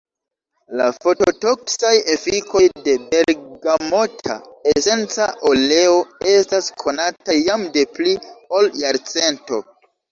La fototoksaj efikoj de bergamota esenca oleo estas konataj jam de pli ol jarcento.